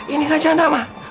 ini gak janda ma